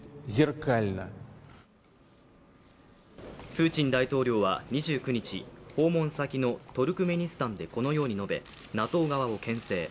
プーチン大統領は２９日訪問先のトルクメニスタンでこのように述べＮＡＴＯ側をけん制。